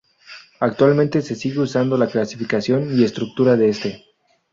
Actualmente se sigue usando la clasificación y estructura de este.